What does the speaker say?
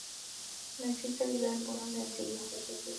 No existe video alguno del sencillo.